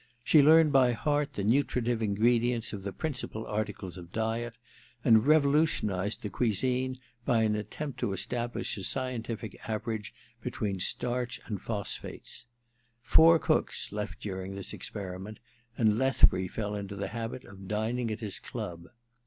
She learnt by heart the nutritive ingredients of the principal articles of diet, and revolutionized the cuisine by an attempt to establish a scientific average between starch and phosphates. Four cooks left during this experiment, and Lethbury fell into the habit of dining at his club.